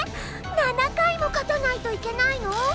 ７回も勝たないといけないの？